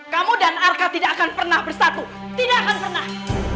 kamu dan arka tidak akan pernah bersatu tidak akan pernah